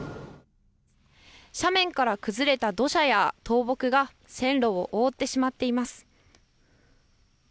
斜面から崩れた土砂や倒木が線路を覆ってしまっています。